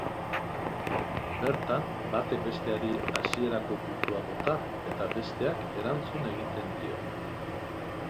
Bertan batek besteari hasierako puntua bota eta besteak erantzun egiten dio.